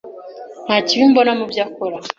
Nta kibi mbona mubyo ukora.